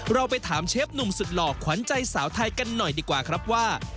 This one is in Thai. เราไปถามเชฟหนุ่มสุดหล่อขวัญใจสาวไทยกันหน่อยดีกว่าครับว่า